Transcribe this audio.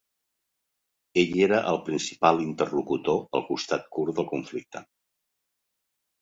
Ell era el principal interlocutor pel costat kurd del conflicte.